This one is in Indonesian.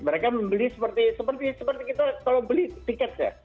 mereka membeli seperti kita kalau beli tiket ya